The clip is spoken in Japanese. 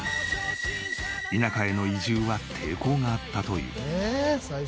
田舎への移住は抵抗があったという。